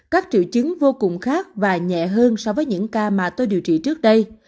các triệu chứng vô cùng khác và nhẹ hơn so với những ca mà tôi điều trị trước đây